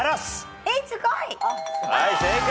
はい正解。